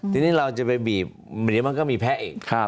ทีนี้เราจะไปบีบเดี๋ยวมันก็มีแพ้อีก